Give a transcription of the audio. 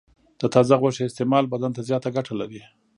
د تازه غوښې استعمال بدن ته زیاته ګټه لري.